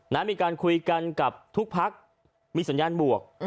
มีการคุยกันกับทุกพักมีสัญญาณบวก